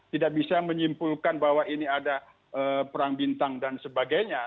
tidak bisa menyimpulkan bahwa ini ada perang bintang dan sebagainya